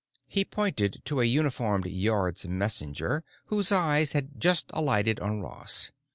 He pointed to a uniformed Yards messenger whose eye had just alighted on Ross.